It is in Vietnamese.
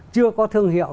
chưa có thương hiệu